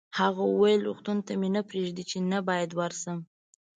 هغه وویل: روغتون ته مې نه پرېږدي، چې نه باید ورشم.